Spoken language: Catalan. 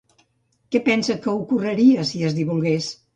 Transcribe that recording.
Què pensa que ocorreria si es divulgués?